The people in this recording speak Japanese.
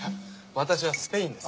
私はスペインです。